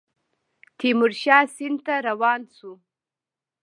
تیمورشاه سند ته روان شو.